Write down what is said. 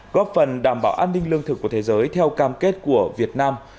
góp phần đảm bảo an ninh lương thực của thế giới theo cam kết của việt nam